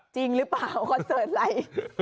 จริงหรือเปล่าคอนเสิร์ตอะไร